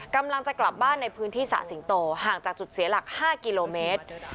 กำลังจะกลับบ้านในพื้นที่สระสิงโตห่างจากจุดเสียหลัก๕กิโลเมตร